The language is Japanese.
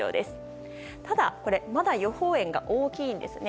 ただ、まだ予報円が大きいんですね。